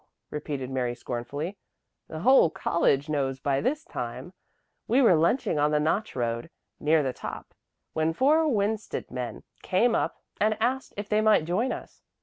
repeated Mary scornfully. "The whole college knows by this time. We were lunching on the notch road, near the top, when four Winsted men came up, and asked if they might join us.